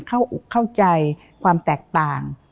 เข้าอุกเข้าใจความแตกต่าง